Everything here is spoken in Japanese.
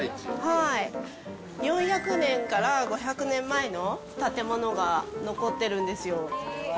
４００年から５００年前の建物が残ってるんですよ。